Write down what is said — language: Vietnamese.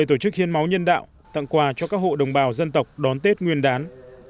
tổ chức hiến máu nhân đạo tặng quà cho các hộ đồng bào dân tộc đón tết nguyên đán